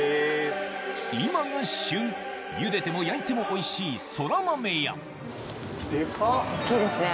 今が旬ゆでても焼いてもおいしいそら豆や大っきいですね。